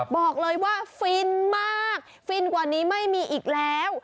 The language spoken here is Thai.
บอกเลยว่าฟินมากฟินกว่านี้ไม่มีอีกแล้ว